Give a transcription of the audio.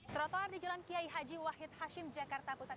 trotoar di jalan kiai haji wahid hashim jakarta pusat